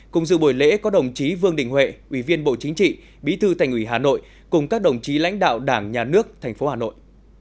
cùng dự buổi lễ có đồng chí vương đình huệ ủy viên bộ chính trị bí thư thành ủy hà nội cùng các đồng chí lãnh đạo đảng nhà nước thành phố hà nội